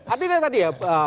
artinya tadi ya